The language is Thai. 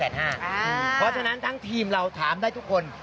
เพราะฉะนั้นทั้งทีมเราถามได้ทุกคน